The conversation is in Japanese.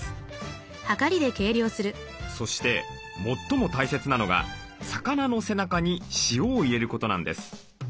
そして最も大切なのが魚の背中に塩を入れることなんです。